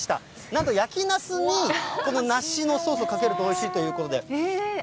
なんと焼きなすに、この梨のソースをかけるとおいしいということで。